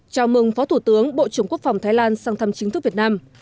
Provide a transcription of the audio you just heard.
chào mừng phó thủ tướng bộ trưởng quốc phòng thái lan sang thăm chính thức việt nam